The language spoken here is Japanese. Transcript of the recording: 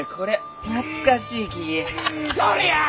とりゃあ！